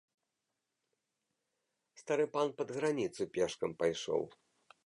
Стары пан пад граніцу пешкам пайшоў.